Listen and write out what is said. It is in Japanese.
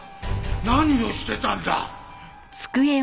何をしてたんだ？